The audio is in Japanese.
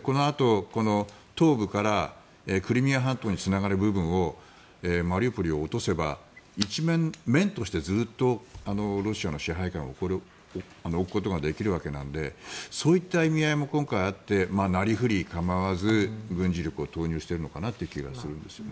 このあと、東部からクリミア半島につながる部分をマリウポリを落とせば面としてずっとロシアの支配下に置くことができるわけなのでそういった意味合いも今回、あってなりふり構わず軍事力を投入しているのかなという気がするんです。